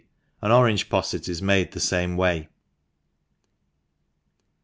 An orange poflet is made thq fame way.